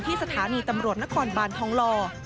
ที่สถานีตำรวจนักรบาลท้องลอ